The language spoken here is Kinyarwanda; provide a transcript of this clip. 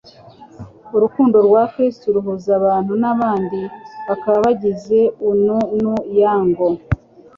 Urukundo rwa Kristo ruhuza abantu n'abandi bakaba bagize unnuyango;